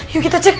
yuk kita cek